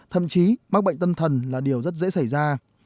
thậm chí mắc bệnh tâm thần là điều rất dễ xảy ra